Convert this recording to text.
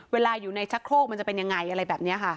เวลาอยู่ในชักโครกมันจะเป็นยังไงอะไรแบบนี้ค่ะ